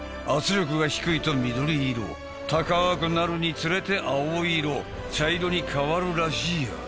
圧力が低いと緑色高くなるにつれて青色茶色に変わるらしい。